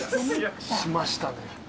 しましたね。